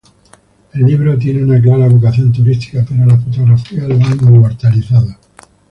El libro tiene una clara vocación turística, pero las fotografías lo han inmortalizado.